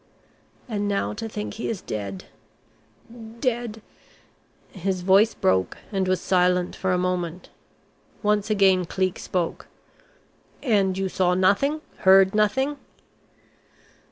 And now to think he is dead dead " His voice broke and was silent for a moment. Once again Cleek spoke. "And you saw nothing, heard nothing?"